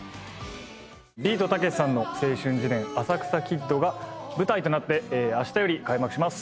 ビートたけしさんの青春自伝『浅草キッド』が舞台となってあしたより開幕します。